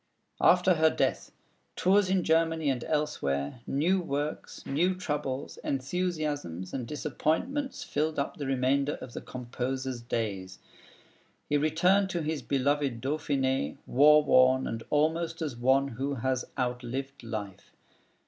After her death, tours in Germany and elsewhere, new works, new troubles, enthusiasms, and disappointments filled up the remainder of the composer's days. He returned to his beloved Dauphiné, war worn and almost as one who has outlived life.